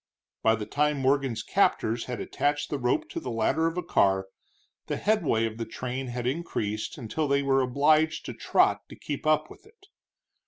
By the time Morgan's captors had attached the rope to the ladder of a car, the headway of the train had increased until they were obliged to trot to keep up with it.